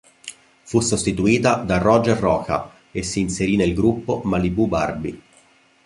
Fu sostituita da Roger Rocha e si inserì nel gruppo "Malibu Barbi".